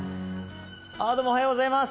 あどうもおはようございます。